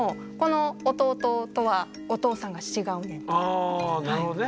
あなるほどね。